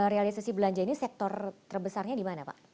realisasi belanja ini sektor terbesarnya di mana pak